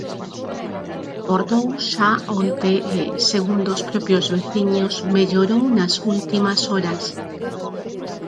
Rebordou xa onte e, segundo os propios veciños, mellorou nas últimas horas.